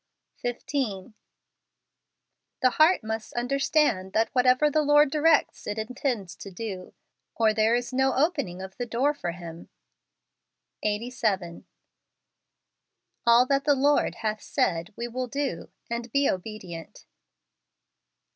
10 JANUARY. 15. Tlie heart must understand that what¬ ever the Lord directs it intends to do. or there is no opening of the door for Him. Eighty Seven. " All that the Lord hath said tee will do, and he obedient."